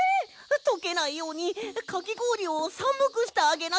とけないようにかきごおりをさむくしてあげなきゃ！